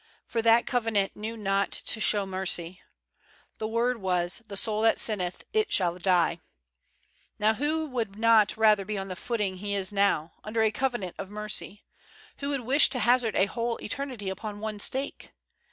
For that cove nant knew not to show mercy: the word was, "The soul that sinneth, it shall die." Now who would not rather be on the footing he is now, under a covenant of mercy? Who would wish •179 THE WORLD'S FAMOUS ORATIONS to hazard a whole eternity upon one stake?